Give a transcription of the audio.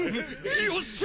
よっしゃ！